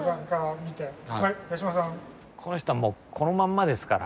この人はもうこのまんまですから。